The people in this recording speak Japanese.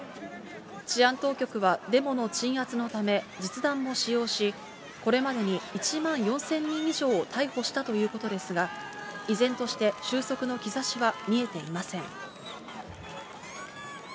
治安当局はデモの鎮圧のため、実弾も使用し、これまでに１万４０００人以上を逮捕したということですが、依然として収束の兆しは見えていません。